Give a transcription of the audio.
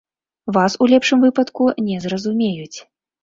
Вас, у лепшым выпадку, не зразумеюць.